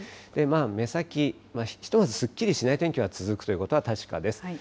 目先、ひとまずすっきりしない天気が続くということは確かです。